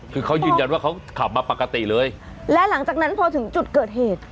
คือเขายืนยันว่าเขาขับมาปกติเลยและหลังจากนั้นพอถึงจุดเกิดเหตุ